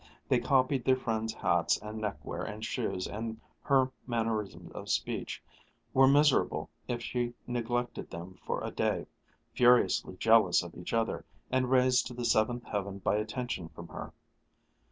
They copied their friend's hats and neckwear and shoes and her mannerisms of speech, were miserable if she neglected them for a day, furiously jealous of each other, and raised to the seventh heaven by attention from her.